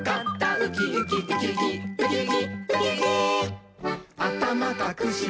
「ウキウキウキウキウキウキ」